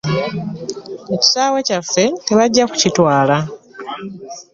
Ekisaawe kyaffe tebajja kukitwala.